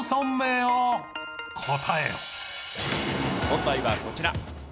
問題はこちら。